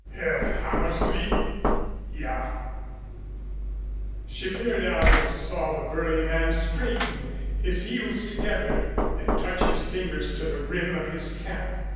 "Herr Hammersley?" "Ja." She peered out and saw the burly man straighten, his heels together, and touch his fingers to the rim of his cap.